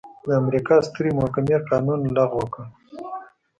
د امریکا سترې محکمې قانون لغوه کړ.